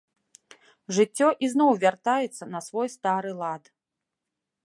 Жыццё ізноў вяртаецца на свой стары лад.